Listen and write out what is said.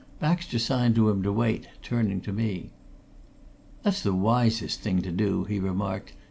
Baxter signed to him to wait, turning to me. "That's the wisest thing to do," he remarked.